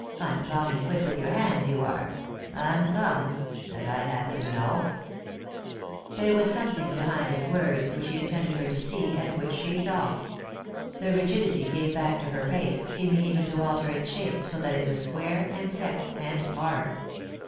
Uncommon quick with your hands you are ; uncommon — as I happen to know." 125 3i 9 iii^d by Google THE INTERRUPTED KISS There was something behind his words which he intended her to see, and which she saw. The rigidity came back to her race, seeming even to alter its shape, so that it was square, and set, and hard.